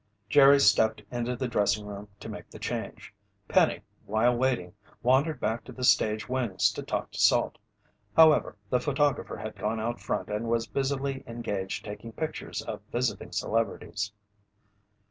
Jerry stepped into the dressing room to make the change. Penny, while waiting, wandered back to the stage wings to talk to Salt. However, the photographer had gone out front and was busily engaged taking pictures of visiting celebrities.